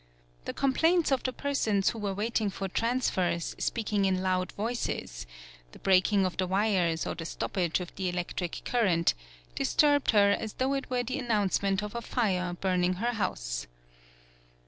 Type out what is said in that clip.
The com plaints of the persons who were wait ing for transfers, speaking in loud voices, the breaking of the wires or the stoppage of the electric current, dis turbed her as though it were the an nouncement of a fire burning her house.